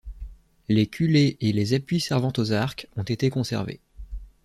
Les culées et les appuis servant aux arcs ont été conservés.